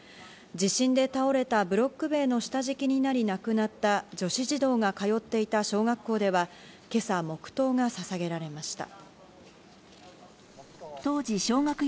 地震で倒れたブロック塀の下敷きになり亡くなった女子児童が通っていた小学校では、今朝、黙祷がささげられました。